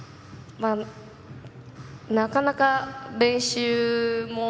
なかなか、練習も。